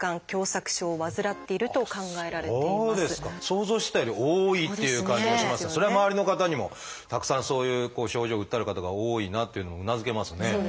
想像してたより多いっていう感じもしますがそれは周りの方にもたくさんそういう症状を訴える方が多いなっていうのもうなずけますね。